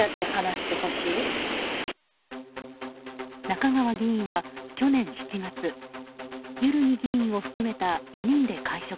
中川議員は去年７月万木議員を含めた４人で会食。